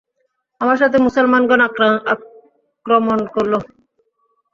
আমার সাথে মুসলমানগণ আক্রমণ করল।